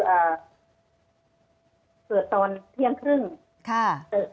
อันดับที่สุดท้าย